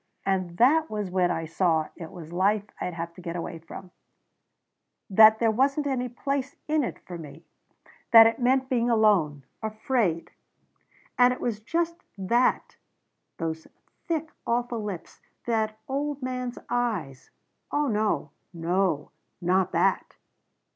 And that was when I saw it was life I'd have to get away from. That there wasn't any place in it for me. That it meant being alone. Afraid. That it was just that those thick awful lips that old man's eyes Oh no no not that!"